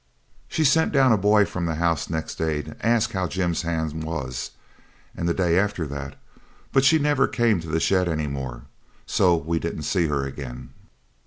She sent down a boy from the house next day to ask how Jim's hand was, and the day after that, but she never came to the shed any more. So we didn't see her again.